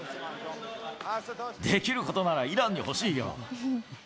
できることならイランに欲しいよ。